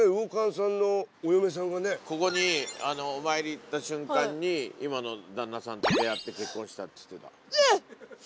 ここにお参り行った瞬間に今の旦那さんと出会って結婚したっつってた。